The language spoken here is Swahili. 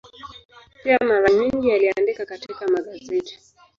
Pia mara nyingi aliandika katika magazeti.